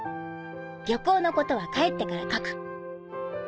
旅行のことは帰ってから書く」。